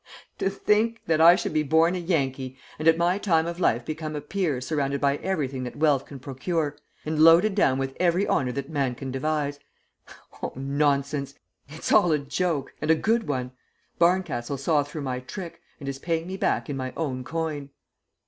"To think that I should be born a Yankee and at my time of life become a peer surrounded by everything that wealth can procure, and loaded down with every honour that man can devise; oh, nonsense! it's all a joke, and a good one. Barncastle saw through my trick, and is paying me back in my own coin."